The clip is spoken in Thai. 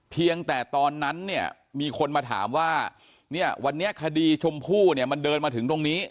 เพียงแต่ตอนนั้นเนี่ยมีคนมาถามว่าเนี่ยวันนี้คดีชมพู่เนี่ยมันเดินมาถึงตรงนี้